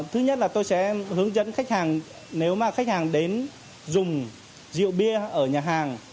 thứ nhất là tôi sẽ hướng dẫn khách hàng nếu mà khách hàng đến dùng rượu bia ở nhà hàng